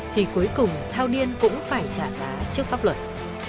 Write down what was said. thì cuối cùng thao điên cũng phải trả giá trước pháp luật